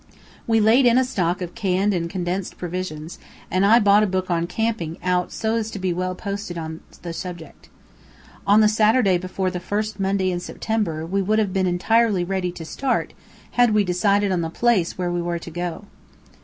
We laid in a stock of canned and condensed provisions, and I bought a book on camping out so as to be well posted on the subject. On the Saturday before the first Monday in September we would have been entirely ready to start had we decided on the place where we were to go.